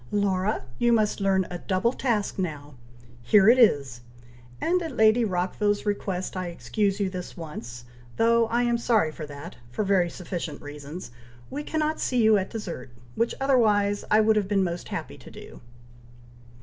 "Laura, you must learn a double task now! Here it is! and at Lady Rockville's request I excuse you this once; though I am sorry that, for very sufficient reasons, we cannot see you at dessert, which otherwise I should have been most happy to do."